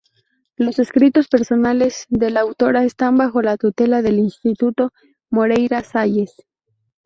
Los escritos personales de la autora están bajo la tutela del Instituto Moreira Salles.